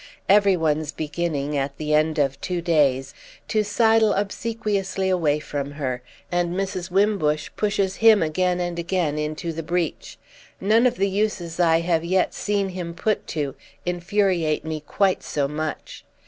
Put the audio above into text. Every one's beginning—at the end of two days—to sidle obsequiously away from her, and Mrs. Wimbush pushes him again and again into the breach. None of the uses I have yet seen him put to infuriate me quite so much.